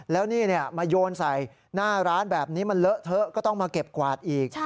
แล้วนี่มาโยนใส่หน้าร้านแบบนี้มันเลอะเทอะก็ต้องมาเก็บกวาดอีก